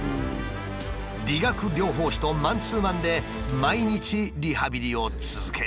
理学療法士とマンツーマンで毎日リハビリを続ける。